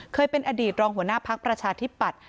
เคยเป็นอดีตรองหัวหน้าพักประชาธิปัตย